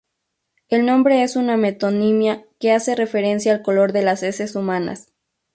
El nombre es una metonimia que hace referencia al color de las heces humanas.